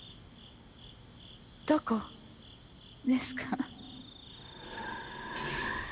どこですか？